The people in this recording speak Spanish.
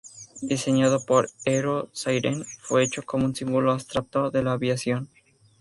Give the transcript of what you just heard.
Diseñado por Eero Saarinen fue hecho como un símbolo abstracto de la aviación.